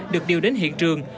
được điều đến hiện trường